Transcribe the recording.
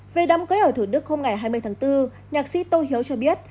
về đám cưới ở thủ đức hôm ngày hai mươi tháng bốn nhạc sĩ tô hiếu cho biết